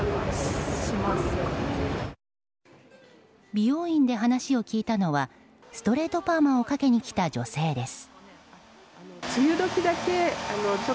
美容院で話を聞いたのはストレートパーマをかけに来た女性です。